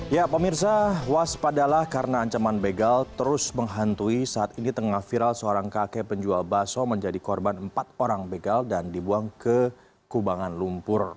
ya pemirsa waspadalah karena ancaman begal terus menghantui saat ini tengah viral seorang kakek penjual baso menjadi korban empat orang begal dan dibuang ke kubangan lumpur